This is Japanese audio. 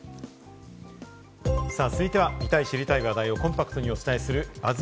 続いては、見たい、知りたい話題をコンパクトにお伝えするＢＵＺＺ